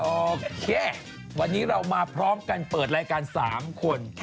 โอเควันนี้เรามาพร้อมกันเปิดรายการ๓คน